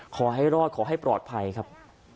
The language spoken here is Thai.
ขอให้รอดขอให้ปลอดภัยครับ